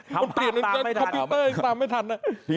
ขำภาพตามไม่ทันเหรอ